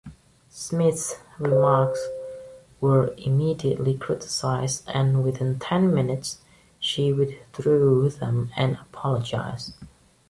Schmidt's remarks were immediately criticized and within ten minutes, she withdrew them and apologized.